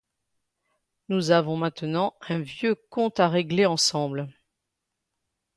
Nous avons maintenant un vieux compte à régler ensemble.